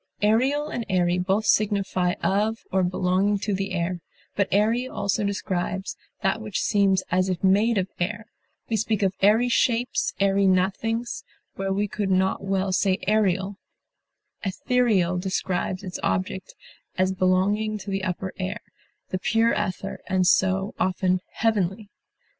Aerial and airy both signify of or belonging to the air, but airy also describes that which seems as if made of air; we speak of airy shapes, airy nothings, where we could not well say aerial; ethereal describes its object as belonging to the upper air, the pure ether, and so, often, heavenly.